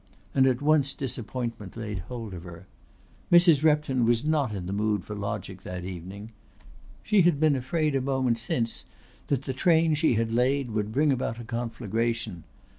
And at once disappointment laid hold of her. Mrs. Repton was not in the mood for logic that evening. She had been afraid a moment since that the train she had laid would bring about a conflagration.